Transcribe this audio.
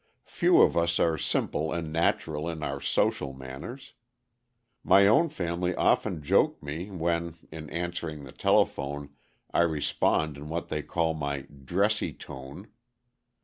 Few of us are simple and natural in our social manners. My own family often joke me, when, in answering the telephone, I respond in what they call my "dressy tone."